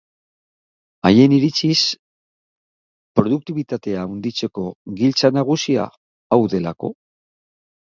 Haien iritziz produktibitatea handitzeko giltza nagusia hau delako.